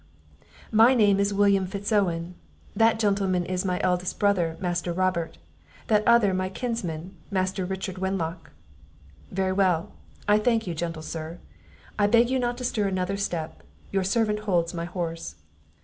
"My name is William Fitz Owen; that gentleman is my eldest brother, Master Robert; that other my kinsman, Master Richard Wenlock." "Very well; I thank you, gentle Sir; I beg you not to stir another step, your servant holds my horse."